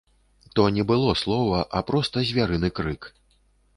То не было слова, а проста звярыны крык.